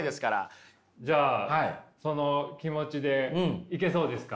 じゃあその気持ちでいけそうですか？